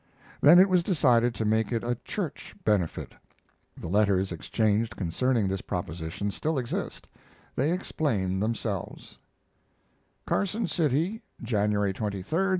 Then it was decided to make it a church benefit. The letters exchanged concerning this proposition still exist; they explain themselves: CARSON CITY, January 23, 1864.